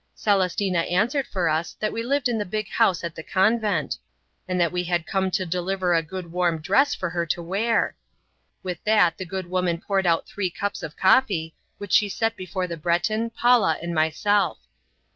Celestina answered for us that we lived in the big house at "The Convent," and that we had come to deliver a good warm dress for her to wear. With that the good woman poured out three cups of coffee, which she set before the Breton, Paula and myself.